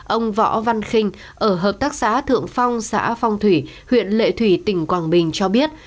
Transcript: ông võ văn khinh ở hợp tác xã thượng phong xã phong thủy huyện lệ thủy tỉnh quảng bình cho biết